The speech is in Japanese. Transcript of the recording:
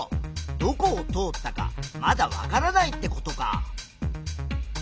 どこを通ったかまだわからないってことか。